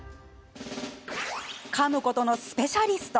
かむことのスペシャリスト。